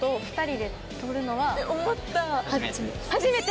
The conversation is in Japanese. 初めて？